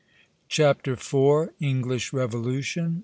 CHAPTER IV. ENGLISH REVOLUTION.